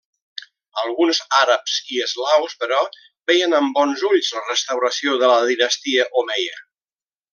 Alguns àrabs i eslaus, però, veien amb bons ulls la restauració de la dinastia omeia.